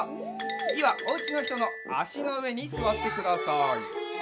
つぎはおうちのひとのあしのうえにすわってください。